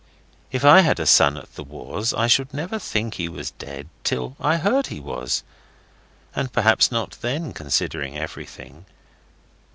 If I had a son at the wars I should never think he was dead till I heard he was, and perhaps not then, considering everything.